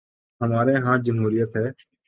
ہمارے ہاں جمہوریت ہے۔